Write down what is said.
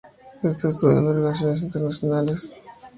Está estudiando relaciones internacionales.